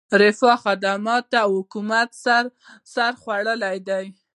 رفاه، خدماتو او حکومت سر خوړلی دی.